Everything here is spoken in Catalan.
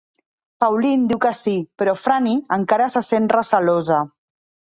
Pauline diu que sí, però Franni encara se sent recelosa.